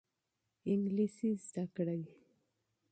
انګلیسي زده کړئ.